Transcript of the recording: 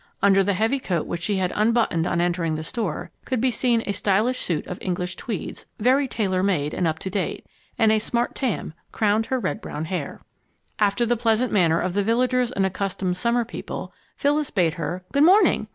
Under the heavy coat which she had unbuttoned on entering the store could be seen a stylish suit of English tweeds, very tailor made and up to date, and a smart tam crowned her red brown hair. After the pleasant manner of the villagers and accustomed summer people, Phyllis bade her "Good morning!"